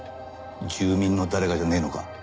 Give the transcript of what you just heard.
住民の誰かじゃねえのか？